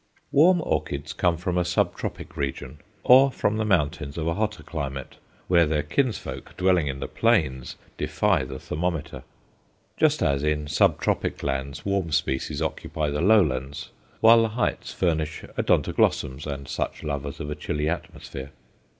Warm orchids come from a sub tropic region, or from the mountains of a hotter climate, where their kinsfolk dwelling in the plains defy the thermometer; just as in sub tropic lands warm species occupy the lowlands, while the heights furnish Odontoglossums and such lovers of a chilly atmosphere.